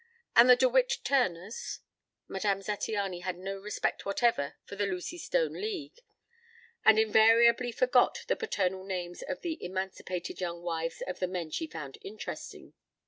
And the De Witt Turners?" Madame Zattiany had no respect whatever for the Lucy Stone League, and invariably forgot the paternal names of the emancipated young wives of the men she found interesting.